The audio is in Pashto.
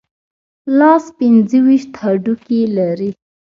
لاس پنځه ویشت هډوکي لري.